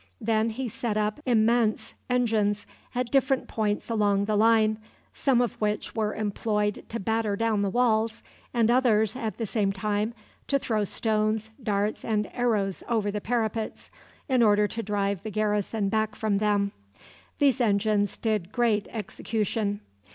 Then he set up immense engines at different points along the line, some of which were employed to batter down the walls, and others, at the same time, to throw stones, darts, and arrows over the parapets, in order to drive the garrison back from them. These engines did great execution.